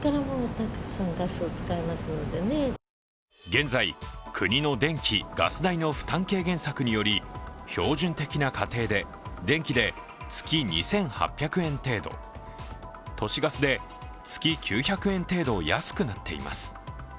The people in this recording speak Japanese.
現在、国の電気・ガス代の負担軽減策により標準的な家庭で電気で月２８００円程度、都市ガスで月９００円程度安くなっています。